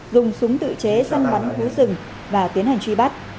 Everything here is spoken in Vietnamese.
dùng súng tự chế săn bắn cứ rừng và tiến hành truy bắt